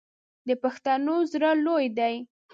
د پښتنو زړه لوی دی.